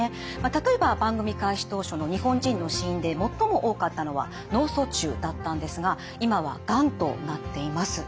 例えば番組開始当初の日本人の死因で最も多かったのは脳卒中だったんですが今はがんとなっています。